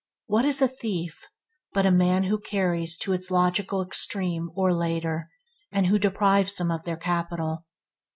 What is a thief but a man who carries to its logical or later, and who deprives them of their capital.